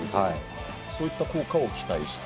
そういった効果を期待して。